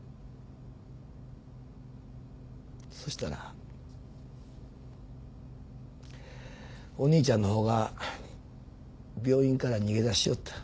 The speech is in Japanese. そしたらお兄ちゃんのほうが病院から逃げ出しよった。